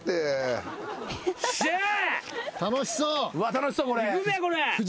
楽しそうこれ。